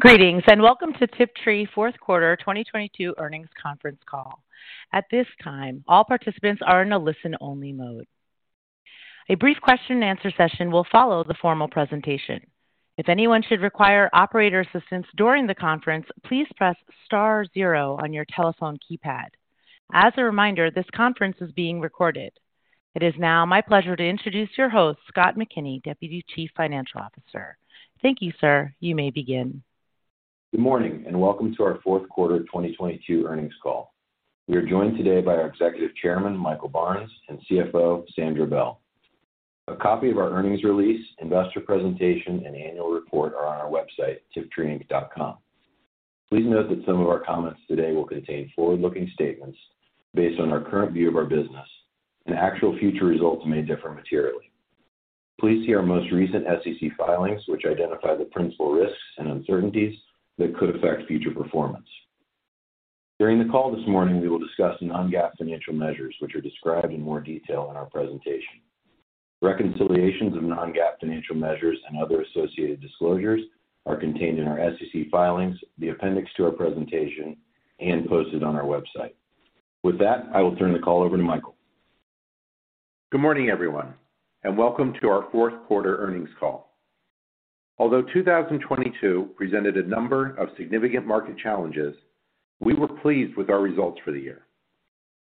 Greetings, welcome to Tiptree fourth quarter 2022 earnings conference call. At this time, all participants are in a listen-only mode. A brief question and answer session will follow the formal presentation. If anyone should require operator assistance during the conference, please press star zero on your telephone keypad. As a reminder, this conference is being recorded. It is now my pleasure to introduce your host, Scott McKinney, Deputy Chief Financial Officer. Thank you, sir. You may begin. Good morning, welcome to our fourth quarter 2022 earnings call. We are joined today by our Executive Chairman, Michael Barnes; and CFO, Sandra Bell. A copy of our earnings release, investor presentation and annual report are on our website, tiptreeinc.com. Please note that some of our comments today will contain forward-looking statements based on our current view of our business, and actual future results may differ materially. Please see our most recent SEC filings, which identify the principal risks and uncertainties that could affect future performance. During the call this morning, we will discuss non-GAAP financial measures, which are described in more detail in our presentation. Reconciliations of non-GAAP financial measures and other associated disclosures are contained in our SEC filings, the appendix to our presentation, and posted on our website. With that, I will turn the call over to Michael. Good morning, everyone, welcome to our fourth quarter earnings call. Although 2022 presented a number of significant market challenges, we were pleased with our results for the year.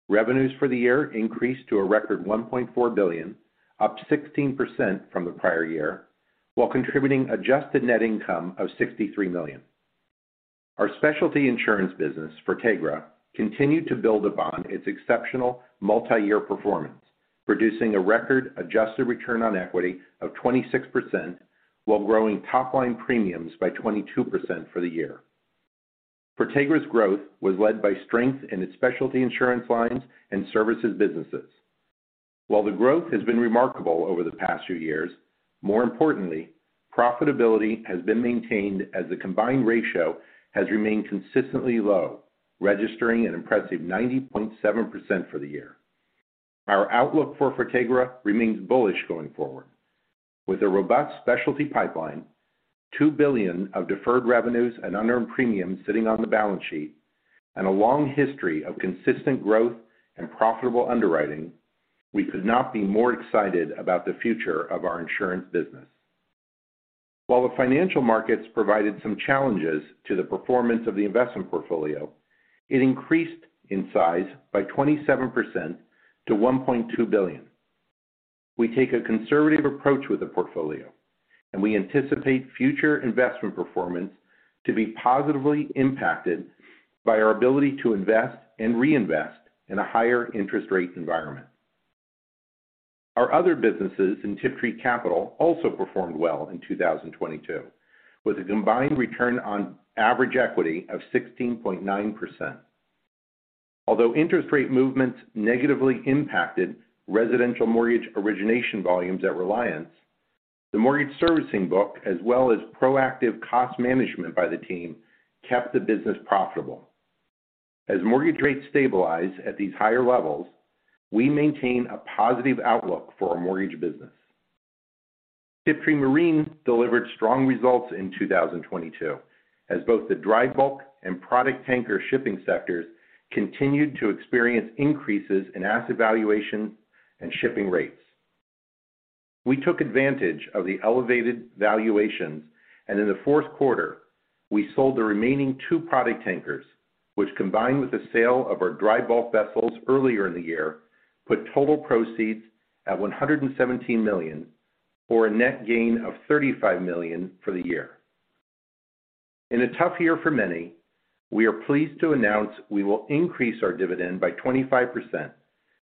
Revenues for the year increased to a record $1.4 billion, up 16% from the prior year, while contributing adjusted net income of $63 million. Our specialty insurance business, Fortegra, continued to build upon its exceptional multi-year performance, producing a record adjusted return on equity of 26% while growing top-line premiums by 22% for the year. Fortegra's growth was led by strength in its specialty insurance lines and services businesses. While the growth has been remarkable over the past few years, more importantly, profitability has been maintained as the combined ratio has remained consistently low, registering an impressive 90.7% for the year. Our outlook for Fortegra remains bullish going forward. With a robust specialty pipeline, $2 billion of deferred revenues and unearned premiums sitting on the balance sheet, and a long history of consistent growth and profitable underwriting, we could not be more excited about the future of our insurance business. While the financial markets provided some challenges to the performance of the investment portfolio, it increased in size by 27% to $1.2 billion. We take a conservative approach with the portfolio. We anticipate future investment performance to be positively impacted by our ability to invest and reinvest in a higher interest rate environment. Our other businesses in Tiptree Capital also performed well in 2022, with a combined return on average equity of 16.9%. Although interest rate movements negatively impacted residential mortgage origination volumes at Reliance, the mortgage servicing book, as well as proactive cost management by the team, kept the business profitable. As mortgage rates stabilize at these higher levels, we maintain a positive outlook for our mortgage business. Tiptree Marine delivered strong results in 2022, as both the dry bulk and product tanker shipping sectors continued to experience increases in asset valuation and shipping rates. We took advantage of the elevated valuations, and in the fourth quarter, we sold the remaining two product tankers, which combined with the sale of our dry bulk vessels earlier in the year, put total proceeds at $117 million for a net gain of $35 million for the year. In a tough year for many, we are pleased to announce we will increase our dividend by 25%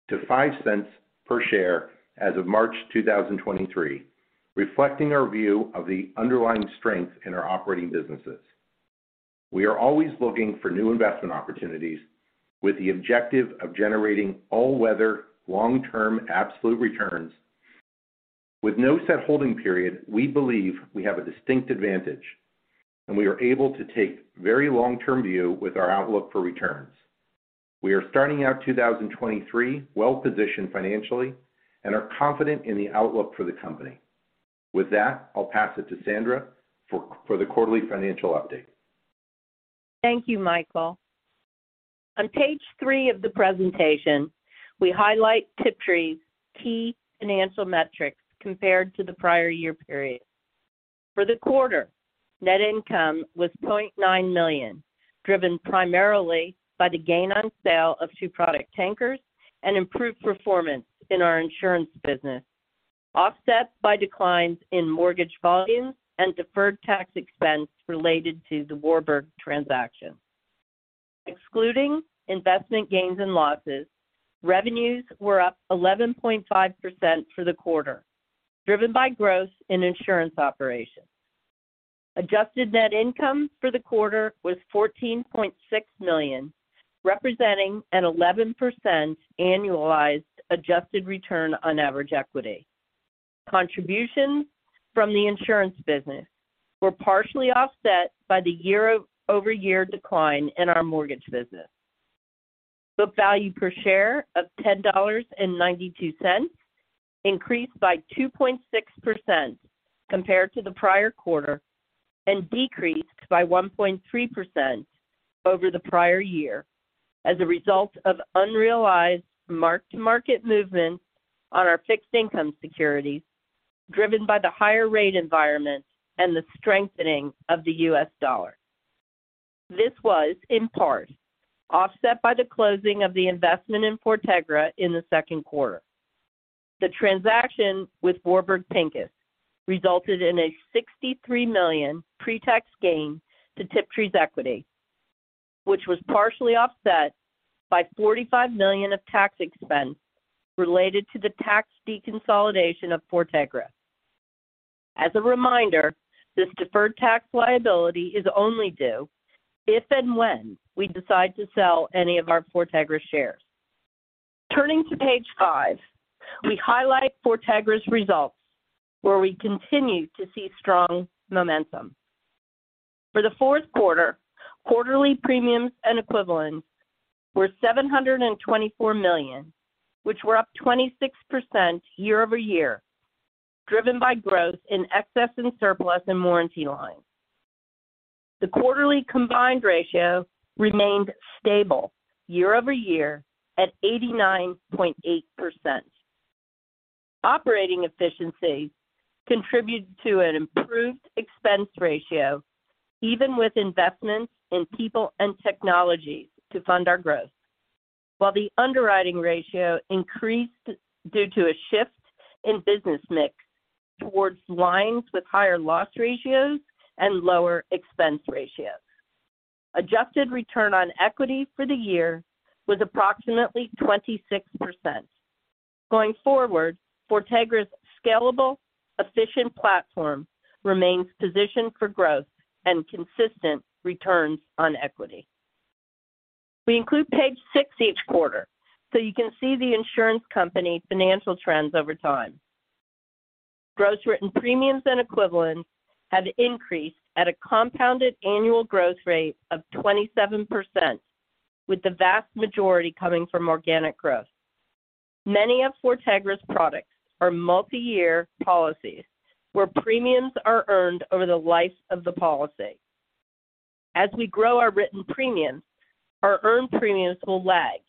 to $0.05 per share as of March 2023, reflecting our view of the underlying strength in our operating businesses. We are always looking for new investment opportunities with the objective of generating all-weather, long-term absolute returns. With no set holding period, we believe we have a distinct advantage, and we are able to take very long-term view with our outlook for returns. We are starting out 2023 well-positioned financially and are confident in the outlook for the company. With that, I'll pass it to Sandra for the quarterly financial update. Thank you, Michael. On page three of the presentation, we highlight Tiptree's key financial metrics compared to the prior year period. For the quarter, net income was $0.9 million, driven primarily by the gain on sale of two product tankers and improved performance in our insurance business, offset by declines in mortgage volumes and deferred tax expense related to the Warburg transaction. Excluding investment gains and losses, revenues were up 11.5% for the quarter, driven by growth in insurance operations. Adjusted net income for the quarter was $14.6 million, representing an 11% annualized adjusted return on average equity. Contributions from the insurance business were partially offset by the year-over-year decline in our mortgage business. Book value per share of $10.92 increased by 2.6% compared to the prior quarter and decreased by 1.3% over the prior year as a result of unrealized mark-to-market movements on our fixed income securities driven by the higher rate environment and the strengthening of the U.S. dollar. This was in part offset by the closing of the investment in Fortegra in the second quarter. The transaction with Warburg Pincus resulted in a $63 million pre-tax gain to Tiptree's equity, which was partially offset by $45 million of tax expense related to the tax deconsolidation of Fortegra. As a reminder, this deferred tax liability is only due if and when we decide to sell any of our Fortegra shares. Turning to page five, we highlight Fortegra's results where we continue to see strong momentum. For the fourth quarter, quarterly premiums and equivalents were $724 million, which were up 26% year-over-year, driven by growth in excess and surplus and warranty lines. The quarterly combined ratio remained stable year-over-year at 89.8%. Operating efficiency contributed to an improved expense ratio even with investments in people and technology to fund our growth. The underwriting ratio increased due to a shift in business mix towards lines with higher loss ratios and lower expense ratios. Adjusted return on equity for the year was approximately 26%. Going forward, Fortegra's scalable, efficient platform remains positioned for growth and consistent returns on equity. We include page six each quarter so you can see the insurance company financial trends over time. Gross written premiums and equivalents have increased at a compounded annual growth rate of 27% with the vast majority coming from organic growth. Many of Fortegra's products are multi-year policies where premiums are earned over the life of the policy. As we grow our written premiums, our earned premiums will lag,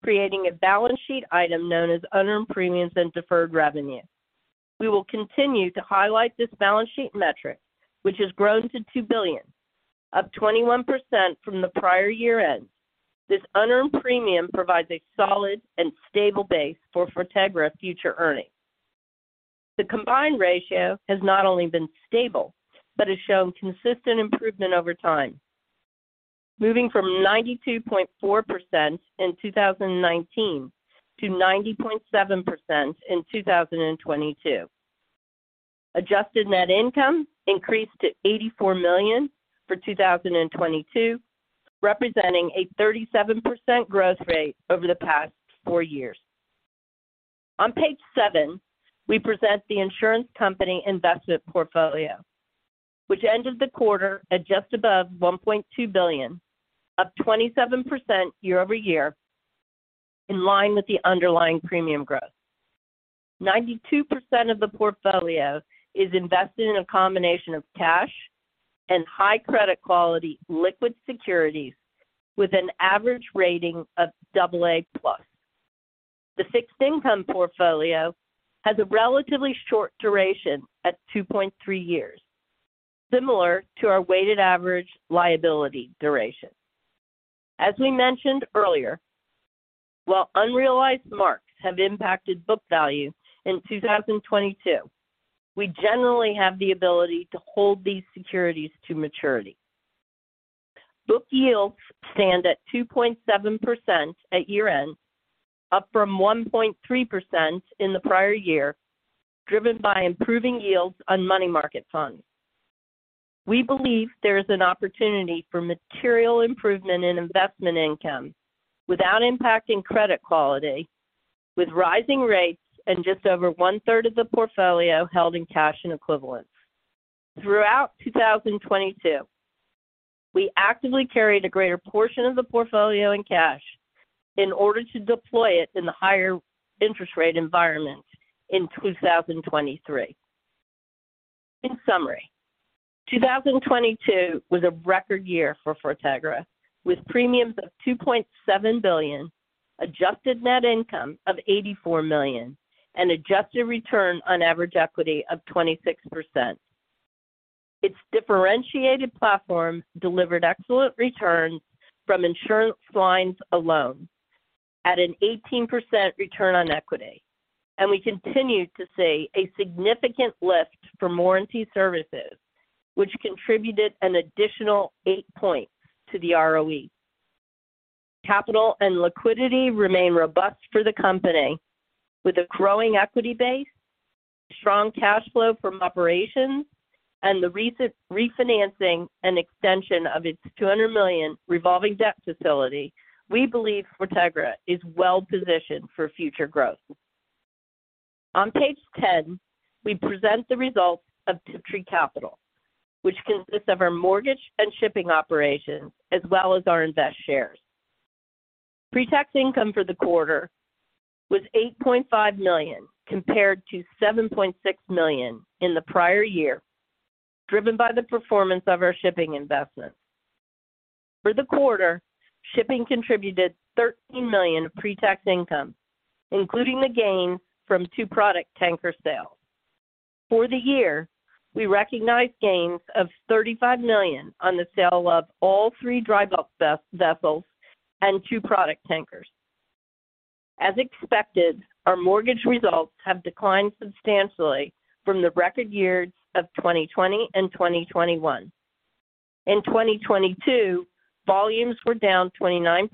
creating a balance sheet item known as unearned premiums and deferred revenue. We will continue to highlight this balance sheet metric, which has grown to $2 billion, up 21% from the prior year end. This unearned premium provides a solid and stable base for Fortegra future earnings. The combined ratio has not only been stable but has shown consistent improvement over time, moving from 92.4% in 2019 to 90.7% in 2022. Adjusted net income increased to $84 million for 2022, representing a 37% growth rate over the past four years. On page seven, we present the insurance company investment portfolio, which ended the quarter at just above $1.2 billion, up 27% year-over-year in line with the underlying premium growth. 92% of the portfolio is invested in a combination of cash and high credit quality liquid securities with an average rating of AA+. The fixed income portfolio has a relatively short duration at 2.3 years, similar to our weighted average liability duration. As we mentioned earlier, while unrealized marks have impacted book value in 2022, we generally have the ability to hold these securities to maturity. Book yields stand at 2.7% at year end, up from 1.3% in the prior year, driven by improving yields on money market funds. We believe there is an opportunity for material improvement in investment income without impacting credit quality with rising rates and just over one third of the portfolio held in cash and equivalents. Throughout 2022, we actively carried a greater portion of the portfolio in cash in order to deploy it in the higher interest rate environment in 2023. In summary, 2022 was a record year for Fortegra with premiums of $2.7 billion, adjusted net income of $84 million, and adjusted return on average equity of 26%. Its differentiated platform delivered excellent returns from insurance lines alone at an 18% return on equity. We continue to see a significant lift for warranty services, which contributed an additional 8 points to the ROE. Capital and liquidity remain robust for the company with a growing equity base, strong cash flow from operations, and the recent refinancing and extension of its $200 million revolving debt facility. We believe Fortegra is well positioned for future growth. On page 10, we present the results of Tiptree Capital, which consists of our mortgage and shipping operations as well as our invest shares. Pre-tax income for the quarter was $8.5 million compared to $7.6 million in the prior year, driven by the performance of our shipping investment. For the quarter, shipping contributed $13 million of pre-tax income, including the gain from two product tanker sales. For the year, we recognized gains of $35 million on the sale of all three dry bulk vessels and two product tankers. As expected, our mortgage results have declined substantially from the record years of 2020 and 2021. In 2022, volumes were down 29%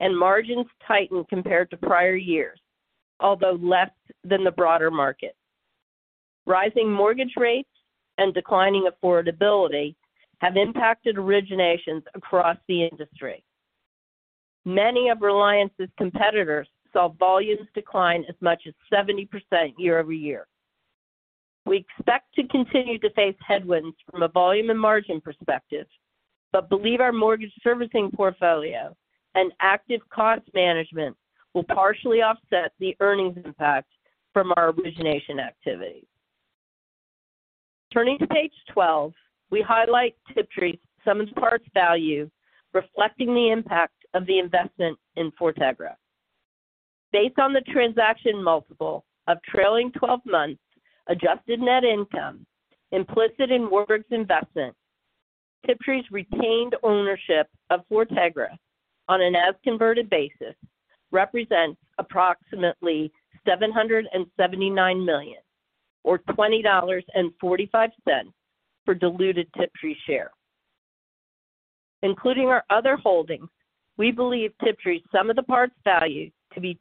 and margins tightened compared to prior years, although less than the broader market. Rising mortgage rates and declining affordability have impacted originations across the industry. Many of Reliance's competitors saw volumes decline as much as 70% year-over-year. We expect to continue to face headwinds from a volume and margin perspective, but believe our mortgage servicing portfolio and active cost management will partially offset the earnings impact from our origination activity. Turning to page 12, we highlight Tiptree's sum-of-the-parts value, reflecting the impact of the investment in Fortegra. Based on the transaction multiple of trailing 12 months adjusted net income implicit in Warburg's investment, Tiptree's retained ownership of Fortegra on an as-converted basis represents approximately $779 million or $20.45 for diluted Tiptree share. Including our other holdings, we believe Tiptree's sum-of-the-parts value to be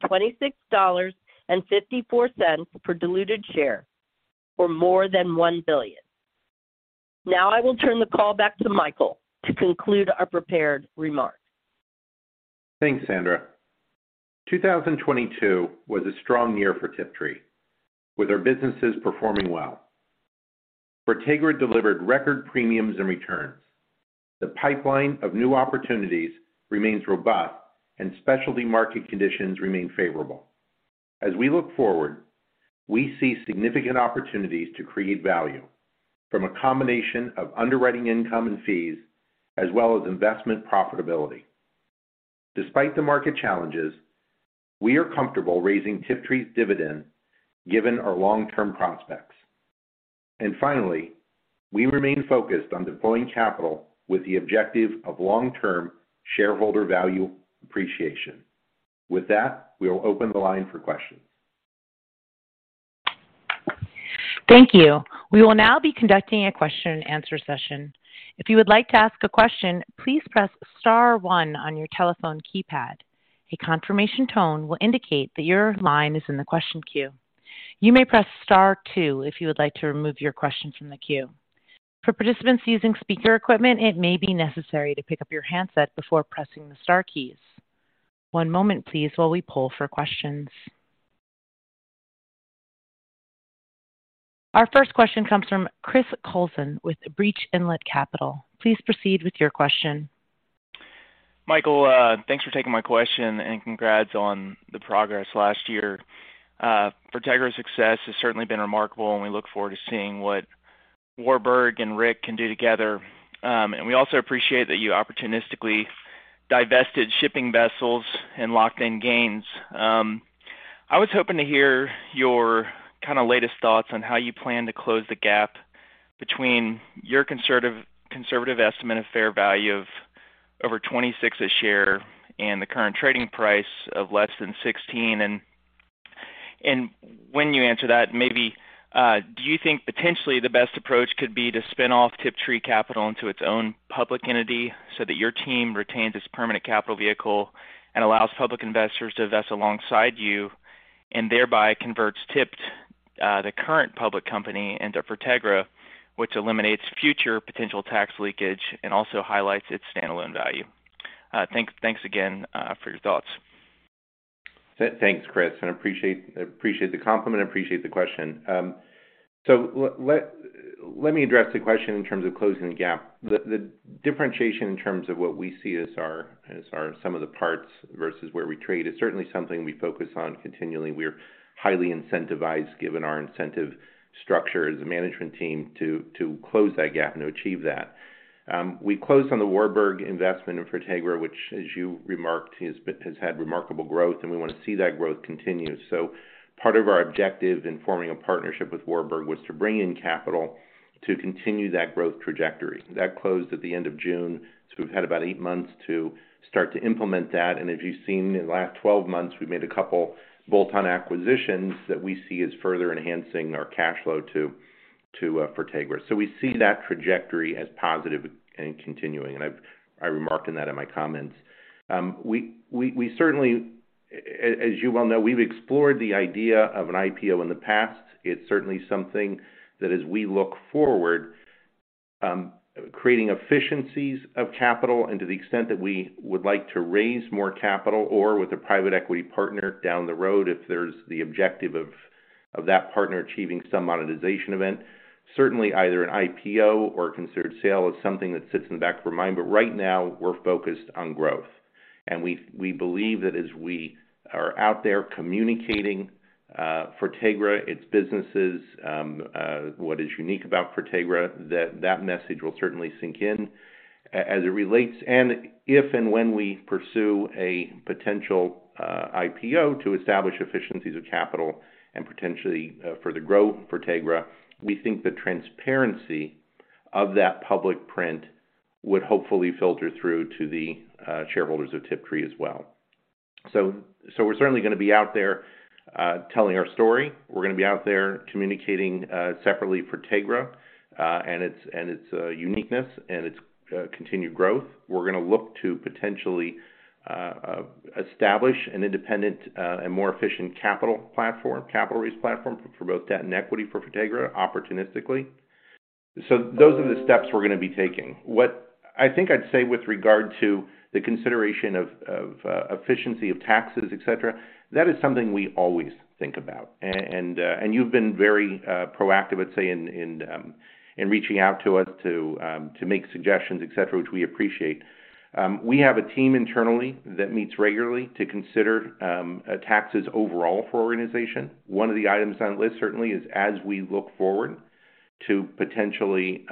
$26.54 per diluted share or more than $1 billion. I will turn the call back to Michael to conclude our prepared remarks. Thanks, Sandra. 2022 was a strong year for Tiptree, with our businesses performing well. Fortegra delivered record premiums and returns. The pipeline of new opportunities remains robust, and specialty market conditions remain favorable. As we look forward, we see significant opportunities to create value from a combination of underwriting income and fees as well as investment profitability. Despite the market challenges, we are comfortable raising Tiptree's dividend given our long-term prospects. Finally, we remain focused on deploying capital with the objective of long-term shareholder value appreciation. With that, we will open the line for questions. Thank you. We will now be conducting a question and answer session. If you would like to ask a question, please press star one on your telephone keypad. A confirmation tone will indicate that your line is in the question queue. You may press star two if you would like to remove your question from the queue. For participants using speaker equipment, it may be necessary to pick up your handset before pressing the star keys. One moment please while we poll for questions. Our first question comes from Chris Colvin with Breach Inlet Capital. Please proceed with your question. Michael, thanks for taking my question and congrats on the progress last year. Fortegra's success has certainly been remarkable, and we look forward to seeing what Warburg and Rick can do together. We also appreciate that you opportunistically divested shipping vessels and locked in gains. I was hoping to hear your kind of latest thoughts on how you plan to close the gap between your conservative estimate of fair value of over $26 a share and the current trading price of less than $16. When you answer that, maybe, do you think potentially the best approach could be to spin off Tiptree Capital into its own public entity so that your team retains its permanent capital vehicle and allows public investors to invest alongside you and thereby converts Tiptree, the current public company into Fortegra, which eliminates future potential tax leakage and also highlights its standalone value? Thanks again for your thoughts. Thanks, Chris, and appreciate the compliment, appreciate the question. Let me address the question in terms of closing the gap. The differentiation in terms of what we see as our sum-of-the-parts versus where we trade is certainly something we focus on continually. We're highly incentivized given our incentive structure as a management team to close that gap and to achieve that. We closed on the Warburg investment in Fortegra, which as you remarked, has had remarkable growth, and we want to see that growth continue. Part of our objective in forming a partnership with Warburg was to bring in capital to continue that growth trajectory. That closed at the end of June, so we've had about eight months to start to implement that. As you've seen in the last 12 months, we've made a couple bolt-on acquisitions that we see as further enhancing our cash flow to Fortegra. We see that trajectory as positive and continuing. I remarked on that in my comments. We certainly as you well know, we've explored the idea of an IPO in the past. It's certainly something that as we look forward, creating efficiencies of capital and to the extent that we would like to raise more capital or with a private equity partner down the road if there's the objective of that partner achieving some monetization event. Either an IPO or a considered sale is something that sits in the back of our mind. Right now, we're focused on growth and we believe that as we are out there communicating, Fortegra, its businesses, what is unique about Fortegra, that message will certainly sink in as it relates and if and when we pursue a potential IPO to establish efficiencies of capital and potentially further grow Fortegra. We think the transparency of that public print would hopefully filter through to the shareholders of Tiptree as well. We're certainly gonna be out there telling our story. We're gonna be out there communicating separately Fortegra and its uniqueness and its continued growth. We're gonna look to potentially establish an independent and more efficient capital platform, capital raise platform for both debt and equity for Fortegra opportunistically. Those are the steps we're gonna be taking. What I think I'd say with regard to the consideration of efficiency of taxes, et cetera, that is something we always think about. You've been very proactive, I'd say, in reaching out to us to make suggestions, et cetera, which we appreciate. We have a team internally that meets regularly to consider taxes overall for our organization. One of the items on the list certainly is, as we look forward to potentially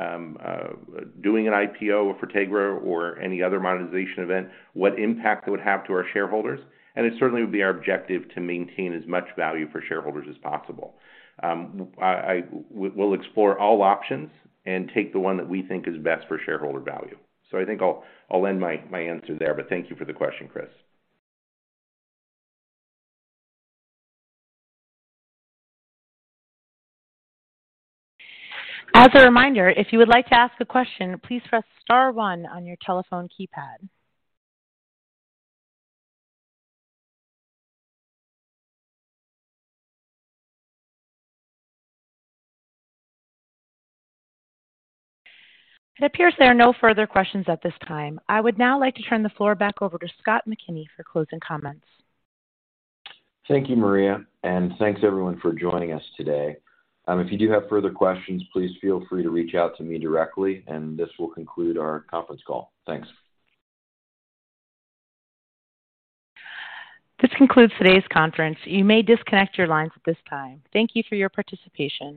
doing an IPO of Fortegra or any other monetization event, what impact it would have to our shareholders. It certainly would be our objective to maintain as much value for shareholders as possible. We'll explore all options and take the one that we think is best for shareholder value. I think I'll end my answer there, but thank you for the question, Chris. As a reminder, if you would like to ask a question, please press star one on your telephone keypad. It appears there are no further questions at this time. I would now like to turn the floor back over to Scott McKinney for closing comments. Thank you, Maria, thanks everyone for joining us today. If you do have further questions, please feel free to reach out to me directly and this will conclude our conference call. Thanks. This concludes today's conference. You may disconnect your lines at this time. Thank you for your participation.